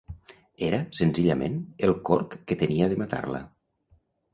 Era, senzillament, el corc que tenia de matar-la.